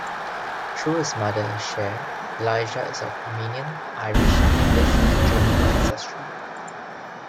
Through his mother Cher, Elijah is of Armenian, Irish, English, and German ancestry.